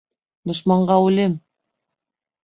ДОШМАНҒА ҮЛЕМ!